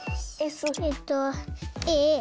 えっとａ。